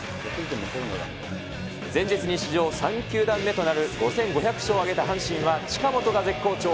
前日に史上３球団目となる５５００勝を挙げた阪神は近本が絶好調。